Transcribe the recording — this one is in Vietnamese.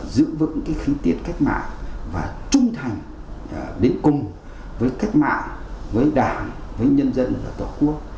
giữ vững khí tiết cách mạng và trung thành đến cùng với cách mạng với đảng với nhân dân với tổ quốc